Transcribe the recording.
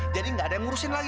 jadi gak ada yang ngurusin lagi